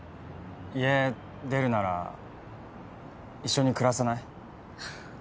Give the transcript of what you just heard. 家出るなら一緒に暮らさない？